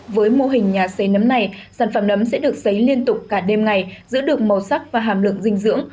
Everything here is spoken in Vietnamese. với mô hình nhà xây nấm này sản phẩm nấm sẽ được xấy liên tục cả đêm ngày giữ được màu sắc và hàm lượng dinh dưỡng